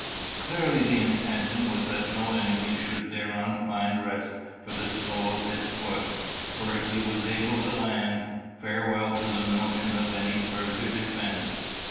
Clearly the intention was that no enemy should thereon find rest for the sole of his foot; for if he was able to land, farewell to the notion of any further defence.